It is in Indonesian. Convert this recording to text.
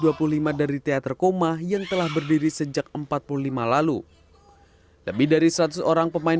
mereka memproduksi ke dua ratus dua puluh lima dari teater koma yang telah berdiri sejak empat puluh lima lalu lebih dari seratus orang pemain